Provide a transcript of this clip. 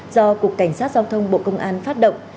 do cục cảnh sát giao thông bộ công an phát động